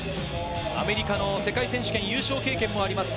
アメリカの世界選手権優勝経験もあります